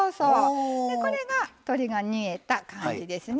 これが、鶏が煮えた感じですね。